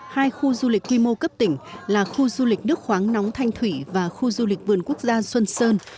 hai khu du lịch quy mô cấp tỉnh là khu du lịch nước khoáng nóng thanh thủy và khu du lịch vườn quốc gia xuân sơn